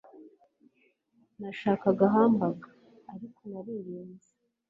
Nashakaga hamburger, ariko naririnze.